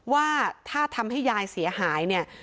ว่าถ้าทำให้ยายเสียหายเนี่ย